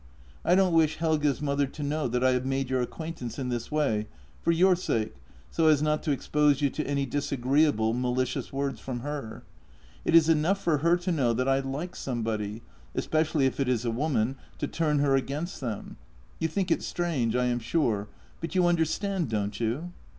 I don't wish Helge's mother to know that I have made your acquaintance in this way — for your sake, so as not to expose you to any disagreeable, malicious words from her. It is enough for her to know that I like somebody — especially if it is a woman — to turn her against them. You think it strange, I am sure, but you understand, don't you?"